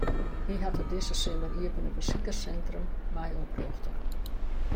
Hy hat it dizze simmer iepene besikersintrum mei oprjochte.